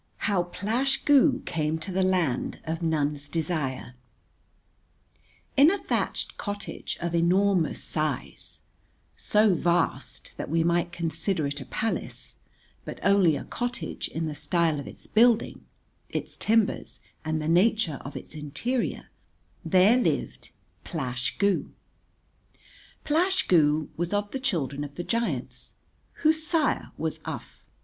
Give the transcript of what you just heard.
How Plash Goo Came to the Land of None's Desire In a thatched cottage of enormous size, so vast that we might consider it a palace, but only a cottage in the style of its building, its timbers and the nature of its interior, there lived Plash Goo. Plash Goo was of the children of the giants, whose sire was Uph.